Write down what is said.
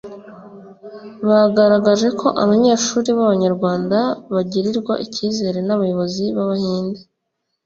bagaragaje ko abanyeshuri b’abanyarwanda bagirirwa icyizere n’abayobozi b’abahinde